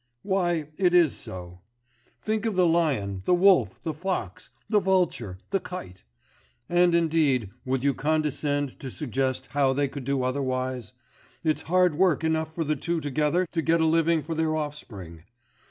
"Why, it is so. Think of the lion, the wolf, the fox, the vulture, the kite; and, indeed, would you condescend to suggest how they could do otherwise. It's hard work enough for the two together to get a living for their offspring."